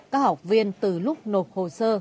các học viên từ lúc nộp hồ sơ